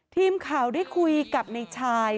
ทีมข่าวได้คุยกับในชาย